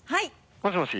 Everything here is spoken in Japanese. もしもし？